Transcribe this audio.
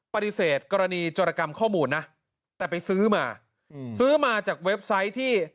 ปฏิเสธกรณีจรกรรมข้อมูลนะแต่ไปซื้อมาซื้อมาจากเว็บไซต์ที่